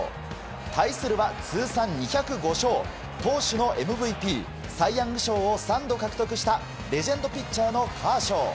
対するは通算２０５勝投手のＭＶＰサイ・ヤング賞を３度獲得したレジェンドピッチャーのカーショー。